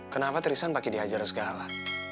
kenapa tristan pake diajar segala